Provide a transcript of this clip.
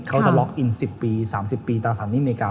เขาจะล็อกอิน๑๐๓๐ปีตาร์สารในอเมริกา